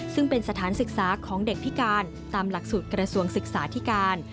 ซึ่งเป็นสถานศึกษาของเด็กพิการตามหลักสูตรกระทรวงศึกษาธิการ